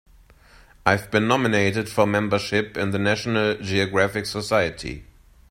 I've been nominated for membership in the National Geographic Society.